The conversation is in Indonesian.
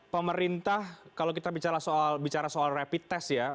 pemerintah kalau kita bicara soal rapid test ya